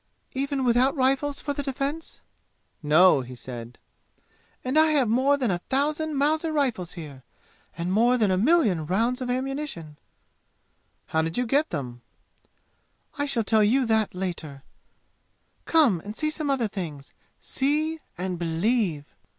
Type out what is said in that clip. "Even without rifles for the defense?" "No," he said. "And I have more than a thousand Mauser rifles here, and more than a million rounds of ammunition!" "How did you get them?" "I shall tell you that later. Come and see some other things. See and believe!"